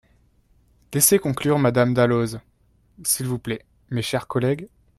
Laissez conclure Madame Dalloz, s’il vous plaît, mes chers collègues.